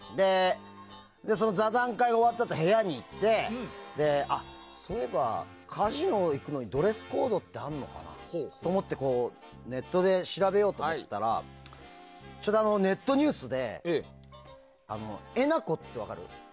座談会終わったあと部屋に行ってああ、そういえばカジノ行くのにドレスコードってあるのかなって思ってネットで調べようと思ったらちょうど、ネットニュースでえなこって分かる？